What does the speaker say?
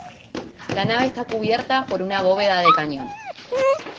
La nave está cubierta por una bóveda de cañón.